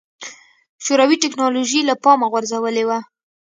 شوروي ټکنالوژي له پامه غورځولې وه.